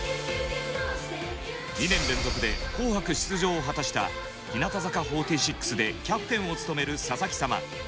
２年連続で「紅白」出場を果たした日向坂４６でキャプテンを務める佐々木様。